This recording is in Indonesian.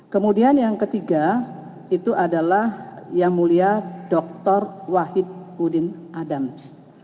kemudian yang ketiga itu adalah yang mulia dr wahid udin adams